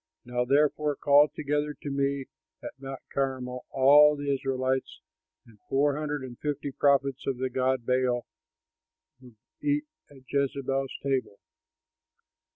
Now therefore call together to me at Mount Carmel all the Israelites and the four hundred and fifty prophets of the god Baal who eat at Jezebel's table."